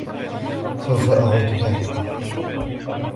سوف أعود لاحقا.